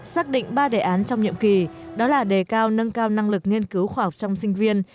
xác định ba đề án trong nhiệm kỳ đó là đề cao nâng cao năng lực nghiên cứu khoa học trong sinh viên